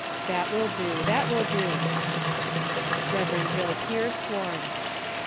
— That will do, that will do. Rev. Joe Pier, sworn. Br.